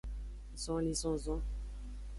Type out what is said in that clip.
Zonlinzonzon.